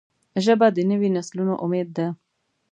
ژبه د نوي نسلونو امید ده